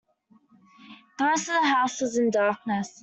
The rest of the house was in darkness.